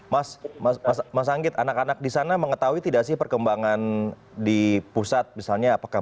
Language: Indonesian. mas mas anggit anak anak di sana mengetahui tidak sih perkembangan di pusat misalnya apakah